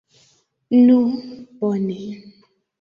Nu, bone.